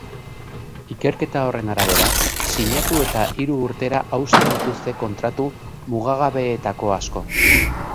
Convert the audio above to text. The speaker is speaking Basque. Ikerketa horren arabera, sinatu eta hiru urtera hausten dituzte kontratu mugagabeetako asko.